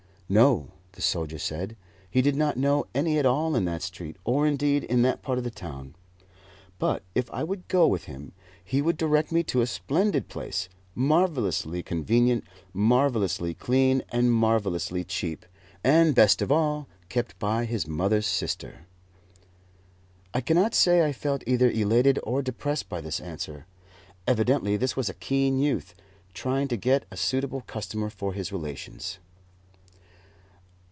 No, the soldier said, he did not know any at all in that street, or, indeed, in that part of the town; but if I would go with him, he would direct me to a splendid place, marvellously convenient, marvellously clean, and marvellously cheap, and, best of all, kept by his mother's sister. I cannot say I felt either elated or depressed by this answer. Evidently this was a keen youth, trying to get a suitable customer for his relations.